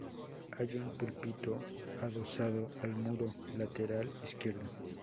Hay un púlpito adosado al muro lateral izquierdo.